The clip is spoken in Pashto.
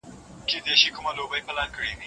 د بهرني سیاست له لوري د وګړو حقونه نه تعقیب کیږي.